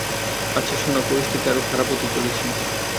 আচ্ছা, সোনা, পরিস্থিতি আরো খারাপ হতে চলেছে।